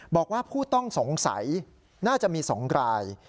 บอกว่าผู้ต้องสงสัยน่าจะมี๒ราย